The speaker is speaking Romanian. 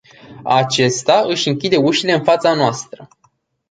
Acesta își închide ușile în fața noastră”.